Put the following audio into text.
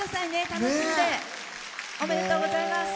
楽しんで！おめでとうございます。